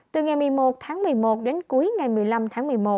từ ngày một mươi một tháng một mươi một đến cuối ngày một mươi năm tháng một mươi một